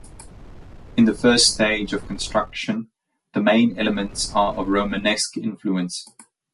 In the first stage of construction, the main elements are of Romanesque influence.